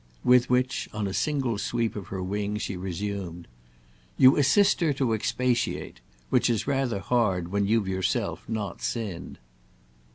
With which, on a single sweep of her wing, she resumed. "You assist her to expiate—which is rather hard when you've yourself not sinned."